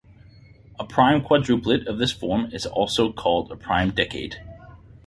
A prime quadruplet of this form is also called a prime decade.